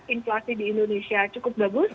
inflasi di indonesia ini sudah jadi keologian